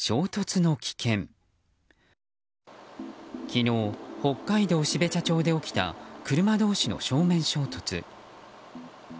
昨日、北海道標茶町で起きた車同士の正面衝突。